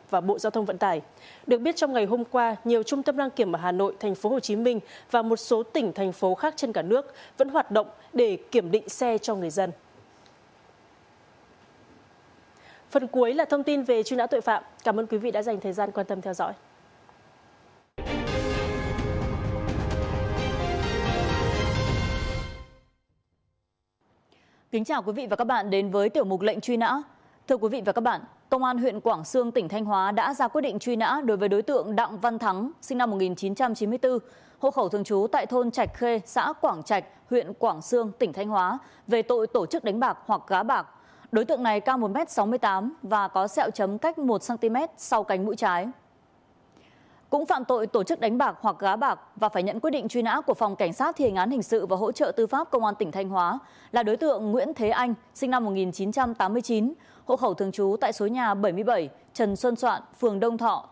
và đối tượng lê đức hương sinh năm một nghìn chín trăm bảy mươi ba hộ khẩu thường trú tại thôn đông hải phường hải hòa thị xã nghi sơn tỉnh thanh hóa